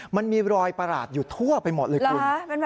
มันมีรอยประหลาดอยู่ทั่วไปหมดเลยคุณ